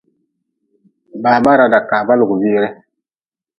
Baba raada kaaba lugʼbire.